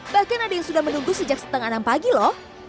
bahkan ada yang sudah menunggu sejak setengah enam pagi lho